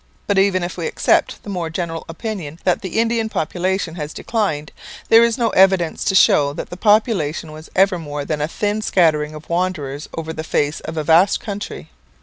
But even if we accept the more general opinion that the Indian population has declined, there is no evidence to show that the population was ever more than a thin scattering of wanderers over the face of a vast country.